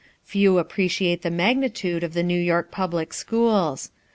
Few appreciate the magnitude of the New York public schools.